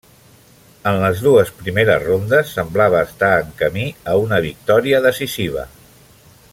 En les dues primeres rondes semblava estar en camí a una victòria decisiva.